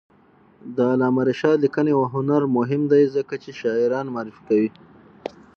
د علامه رشاد لیکنی هنر مهم دی ځکه چې شاعران معرفي کوي.